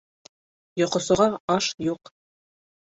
Йоҡосоға аш юҡ.